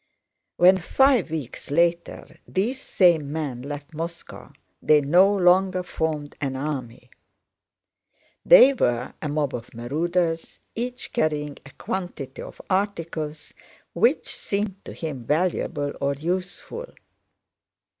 When five weeks later these same men left Moscow, they no longer formed an army. They were a mob of marauders, each carrying a quantity of articles which seemed to him valuable or useful.